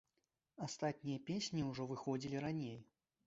Астатнія песні ўжо выходзілі раней.